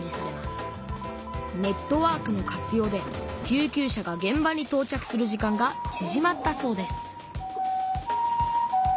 ネットワークの活用で救急車がげん場にとう着する時間がちぢまったそうです